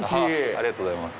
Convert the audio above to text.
ありがとうございます。